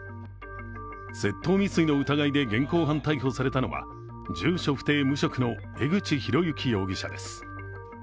窃盗未遂の疑いで現行犯逮捕されたのは住所不定・無職の江口浩幸容疑者です。